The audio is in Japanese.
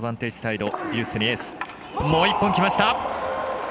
もう１本きました！